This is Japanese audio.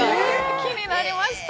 気になりました。